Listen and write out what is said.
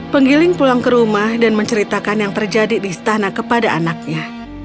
penggiling pulang ke rumah dan menceritakan yang terjadi di istana kepada anaknya